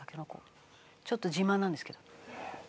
ちょっと自慢なんですけど。